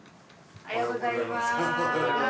・おはようございます。